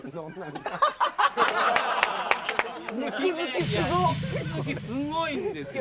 肉付きすごいんですよ。